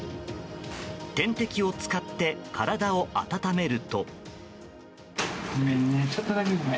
点滴を使って体を温めると。